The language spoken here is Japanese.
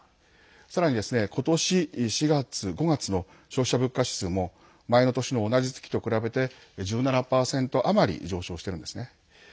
さらに、ことし４月、５月の消費者物価指数も前の年の同じ月と比べて１７％余り上昇しているんですね。